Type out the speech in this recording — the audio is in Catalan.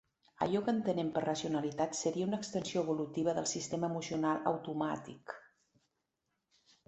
Allò que entenem per racionalitat seria una extensió evolutiva del sistema emocional automàtic.